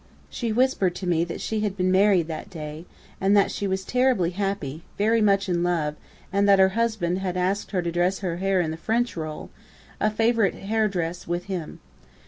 She whispered to me that she had been married that day, that she was terribly happy, very much in love, and that her husband had asked her to dress her hair in the French roll, a favorite hair dress with him.